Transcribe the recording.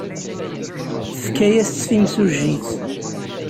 Tefka-as-tt timsujjit.